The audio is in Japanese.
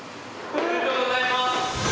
ありがとうございます。